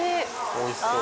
おいしそう。